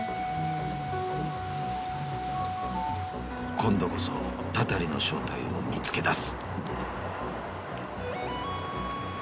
［今度こそたたりの正体を見つけ出す］